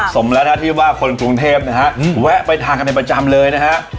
สมแล้วนะที่ว่าคนกรุงเทพนะฮะแวะไปทานกันในประจำเลยนะฮะ